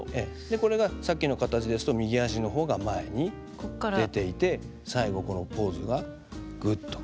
これがさっきの形ですと右足の方が前に出ていて最後このポーズがぐっとねじる。